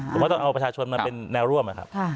ผมว่าต้องเอาประชาชนมาเป็นแนวร่วม